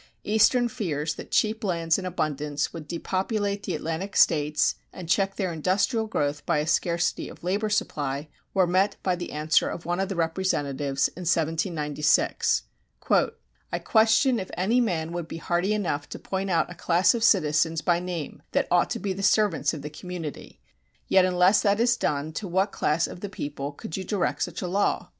Eastern fears that cheap lands in abundance would depopulate the Atlantic States and check their industrial growth by a scarcity of labor supply were met by the answer of one of the representatives in 1796: I question if any man would be hardy enough to point out a class of citizens by name that ought to be the servants of the community; yet unless that is done to what class of the People could you direct such a law?